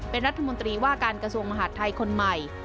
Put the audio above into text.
เป็นรัฐมนตรีว่าการกระทรวงมหาดไทยคนใหม่